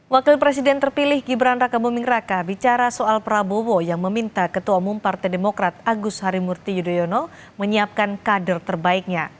wakil presiden terpilih gibran raka buming raka bicara soal prabowo yang meminta ketua umum partai demokrat agus harimurti yudhoyono menyiapkan kader terbaiknya